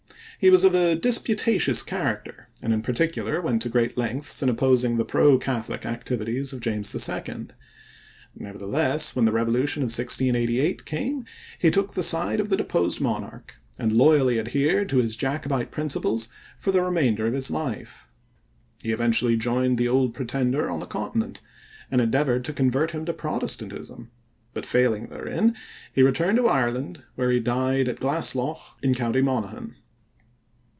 He was of a disputatious character and in particular went to great lengths in opposing the pro Catholic activities of James II. Nevertheless, when the Revolution of 1688 came, he took the side of the deposed monarch, and loyally adhered to his Jacobite principles for the remainder of his life. He even joined the Old Pretender on the continent, and endeavored to convert him to Protestantism, but, failing therein, he returned to Ireland, where he died at Glasslough in county Monaghan.